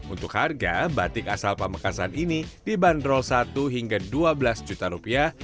untuk harga batik asal pamekasan ini dibanderol satu hingga dua belas juta rupiah